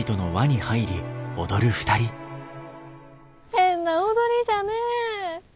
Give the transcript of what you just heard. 変な踊りじゃねえ！